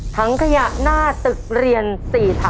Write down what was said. ถังขยะหน้าตึกเรียน๔ถัง